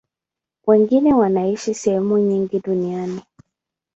Wengine wanaishi sehemu nyingi duniani.